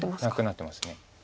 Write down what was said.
なくなってます。